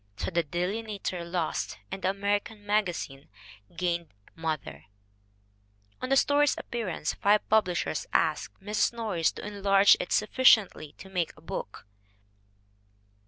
So the Delineator lost and the American Magazine gained Mother. On the story's appearance five publishers asked Mrs. Norris to enlarge it sufficiently to make a book.